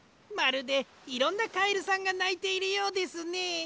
まるでいろんなカエルさんがないているようですね。